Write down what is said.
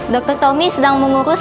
dokter tommy sedang mengurus